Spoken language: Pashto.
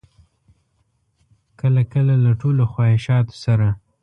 کله کله له ټولو خواهشاتو سره.